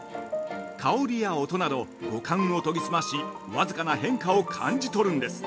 香りや音など五感を研ぎ澄まし僅かな変化を感じ取るんです。